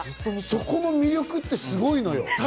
そこの魅力ってすごいのよ。